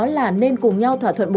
máy đo đồ cồn